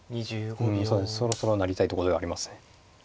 うんそろそろ成りたいとこではありますね。